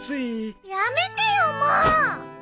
やめてよもう！